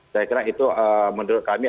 saya kira itu menurut kami